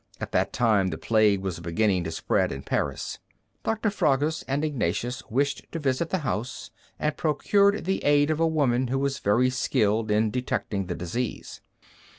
At that time the plague was beginning to spread in Paris. Doctor Fragus and Ignatius wished to visit the house, and procured the aid of a woman who was very skilful in detecting the disease.